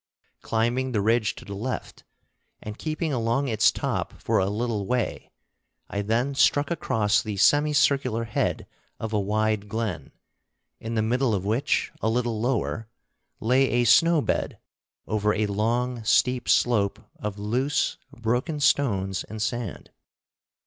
Climbing the ridge to the left, and keeping along its top for a little way, I then struck across the semi circular head of a wide glen, in the middle of which, a little lower, lay a snow bed over a long steep slope of loose broken stones and sand.